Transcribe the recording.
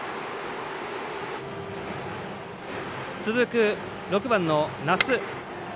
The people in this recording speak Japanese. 続く、６番の奈須。